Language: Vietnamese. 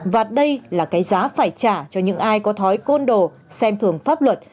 và đây là cái giá phải trả cho những ai có thói côn đồ xem thường pháp luật